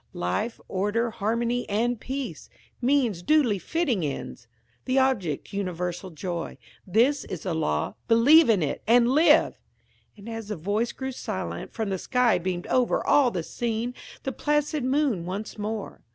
Life, order, harmony, and peace; means duly fitting ends; the object, universal joy. This is the law. Believe in it, and live!" And as the voice grew silent, from the sky beamed over all the scene the placid moon once more.